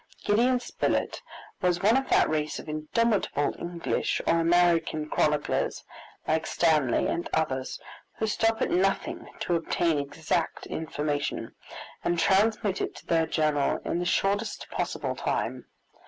Gideon Spilett was one of that race of indomitable English or American chroniclers, like Stanley and others, who stop at nothing to obtain exact information, and transmit it to their journal in the shortest possible time.